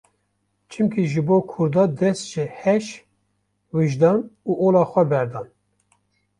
Çimkî ji bo Kurda dest ji heş, wijdan û ola xwe berdan.